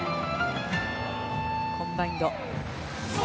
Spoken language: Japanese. コンバインド。